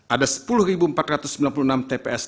ada sepuluh empat ratus sembilan puluh enam tps